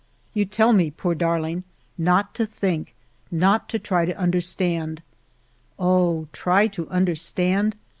" You tell me, poor darling, not to think, not to try to understand. Oh, try to understand